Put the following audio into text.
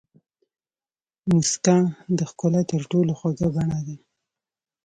موسکا د ښکلا تر ټولو خوږه بڼه ده.